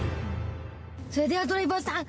それではドライバーさん。